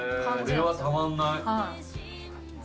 これはたまんない。